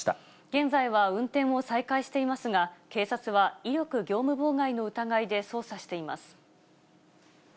現在は運転を再開していますが、警察は威力業務妨害の疑いで捜査しています。